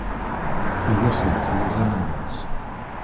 He whistled to his animals.